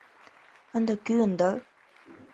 Ынде кӱын дыр.